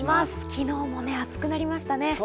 昨日も暑くなりましたね。